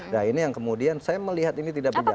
nah ini yang kemudian saya melihat ini tidak berjalan